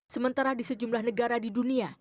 sementara di sejumlah negara di dunia